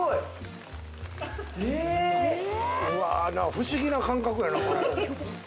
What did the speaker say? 不思議な感覚やな。